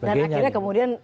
dan akhirnya kemudian